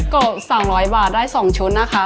ขอบคุณพี่โกะ๒๐๐บาทได้๒ชุดนะคะ